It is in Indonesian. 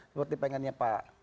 seperti pengennya pak